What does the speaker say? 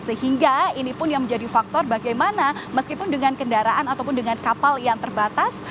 sehingga ini pun yang menjadi faktor bagaimana meskipun dengan kendaraan ataupun dengan kapal yang terbatas